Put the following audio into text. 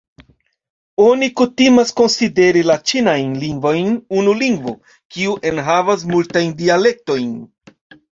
Oni kutimas konsideri la ĉinajn lingvojn unu lingvo, kiu enhavas multajn dialektojn.